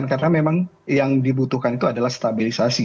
karena memang yang dibutuhkan itu adalah stabilisasi